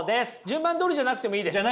順番どおりじゃなくてもいいです。